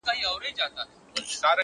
که تریخ دی زما دی،